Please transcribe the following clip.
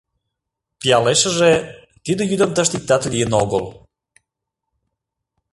Пиалешыже, тиде йӱдым тыште иктат лийын огыл.